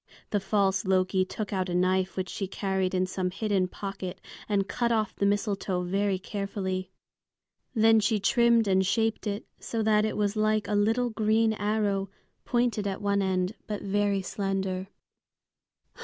The false Loki took out a knife which she carried in some hidden pocket and cut off the mistletoe very carefully. Then she trimmed and shaped it so that it was like a little green arrow, pointed at one end, but very slender.